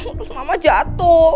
terus mama jatuh